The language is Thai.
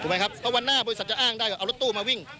เพราะวันหน้าบริษัทจะอ้างได้ก็เอารถตู้มาวิ่ง